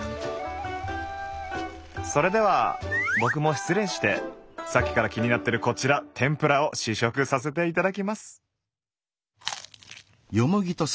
それでは僕も失礼してさっきから気になってるこちら天ぷらを試食させていただきます！